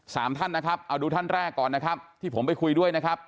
สามท่านนะครับเอาดูท่านแรกก่อนนะครับที่ผมไปคุยด้วยนะครับ